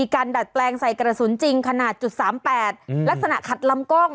การดัดแปลงใส่กระสุนจริงขนาดจุดสามแปดอืมลักษณะขัดลำกล้อง